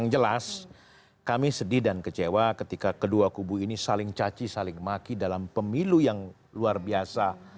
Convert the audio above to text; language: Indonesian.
yang jelas kami sedih dan kecewa ketika kedua kubu ini saling caci saling maki dalam pemilu yang luar biasa